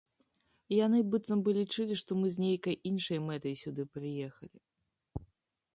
Яны быццам бы лічылі, што мы з нейкай іншай мэтай сюды прыехалі.